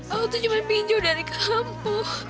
aku tuh cuma pingin jauh dari kamu